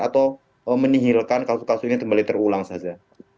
atau menihilkan kasus kasus ini kembali terulang saja